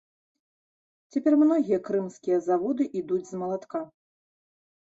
Цяпер многія крымскія заводы ідуць з малатка.